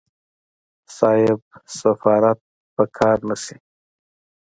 صيب سفارت په قار نشي.